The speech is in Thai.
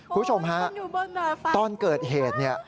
คุณผู้ชมฮะตอนเกิดเหตุเนี่ย